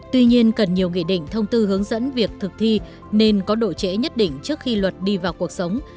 tuy nhiên cần nhiều nghị định thông tư hướng dẫn việc thực thi nên có độ trễ nhất định trước khi luật đi vào cuộc sống